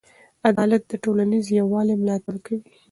عدالت د ټولنیز یووالي ملاتړ کوي.